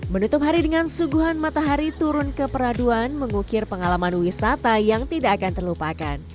menutup hari dengan suguhan matahari turun ke peraduan mengukir pengalaman wisata yang tidak akan terlupakan